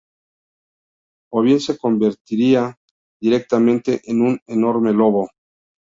O bien se convertía directamente en un enorme lobo.